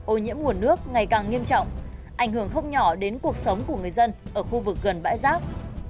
ô nhiễm nguồn nước ngày càng nghiêm trọng ảnh hưởng không nhỏ đến cuộc sống của người dân ở khu vực gần bãi rác